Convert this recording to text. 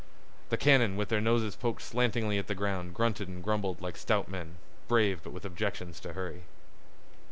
The cannon with their noses poked slantingly at the ground grunted and grumbled like stout men, brave but with objections to hurry.